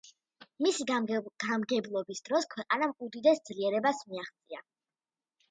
მისი გამგებლობის დროს ქვეყანამ უდიდეს ძლიერებას მიაღწია.